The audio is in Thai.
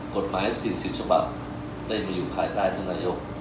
กฎหมาย๔๐ฉบับได้มาอยู่ภายใต้ท่านนายก